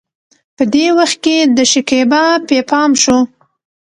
په دې وخت کې د شکيبا پې پام شو.